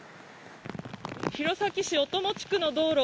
弘前市小友地区の道路